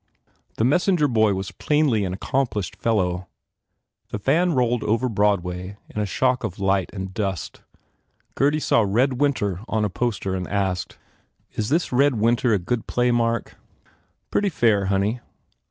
This mes senger boy was plainly an accomplished fellow. The van rolled off over Broadway in a shock of light and dust. Gurdy saw "Red Winter" on a poster and asked, "Is this Red Winter a good play, Mark?" "Pretty fair, honey."